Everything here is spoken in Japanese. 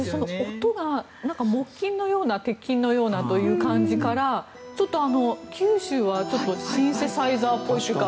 音が木琴のような鉄琴なようなという感じからちょっと九州はシンセサイザーっぽいというか。